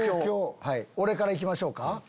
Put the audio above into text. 俺から行きましょうか。